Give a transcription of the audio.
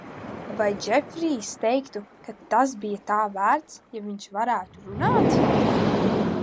Vai Džefrīss teiktu, ka tas bija tā vērts, ja viņš varētu runāt?